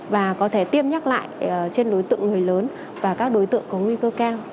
và có thể tiêm nhắc lại trên đối tượng người lớn và các đối tượng có nguy cơ cao